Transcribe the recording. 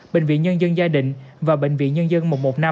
bệnh viện nhân dân gia đình và bệnh viện nhân dân một trăm một mươi năm